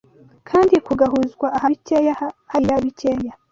kandi kugahuzwa Aha bikeya, hariya bikeya.